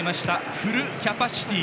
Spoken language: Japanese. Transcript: フルキャパシティー。